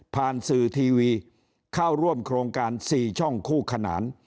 สื่อทีวีเข้าร่วมโครงการ๔ช่องคู่ขนาน